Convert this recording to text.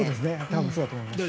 多分そうだと思います。